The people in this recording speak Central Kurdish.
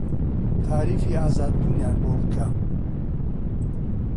تاریفی ئازاد بوونیان بۆ بکە